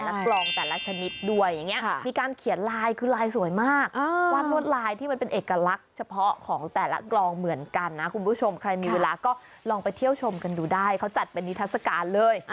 กลองแต่ละชนิดด้วยอย่างนี้มีการเขียนลายคือลายสวยมากวาดลวดลายที่มันเป็นเอกลักษณ์เฉพาะของแต่ละกลองเหมือนกันนะคุณผู้ชมใครมีเวลาก็ลองไปเที่ยวชมกันดูได้เขาจัดเป็นนิทัศกาลเลย